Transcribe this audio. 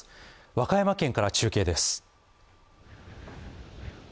和歌山県から中継です。